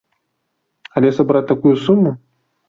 Але сабраць такую суму!